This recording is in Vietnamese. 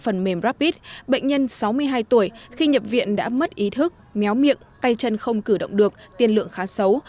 phần mềm rapid bệnh nhân sáu mươi hai tuổi khi nhập viện đã mất ý thức méo miệng tay chân không cử động được tiền lượng khá xấu